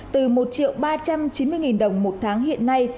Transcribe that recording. từ một triệu ba trăm chín mươi đồng một tháng hiện nay